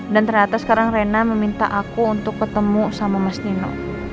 dan ternyata sekarang rena meminta aku untuk ketemu sama mas nino